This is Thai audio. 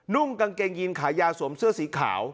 ่งกางเกงยีนขายาวสวมเสื้อสีขาว